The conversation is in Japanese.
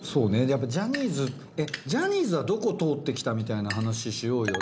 やっぱジャニーズジャニーズはどこ通ってきたみたいな話しようよ。